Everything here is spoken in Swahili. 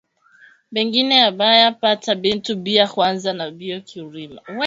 Bengine abaya pata bintu bia kwanza nabio kurima